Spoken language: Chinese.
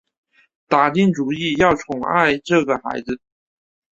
打定主意要宠爱着这个孩子